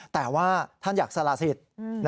แต่ว่าท่านอยากสละสิทธิ์